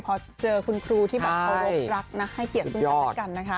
พอเจอคุณครูที่บอกรบรักนะให้เกียรติคุณครับด้วยกันนะคะ